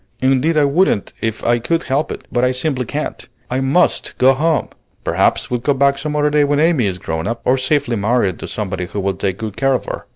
Indeed I wouldn't if I could help it, but I simply can't. I must go home. Perhaps we'll come back some day when Amy is grown up, or safely married to somebody who will take good care of her!"